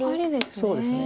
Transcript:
そうですね。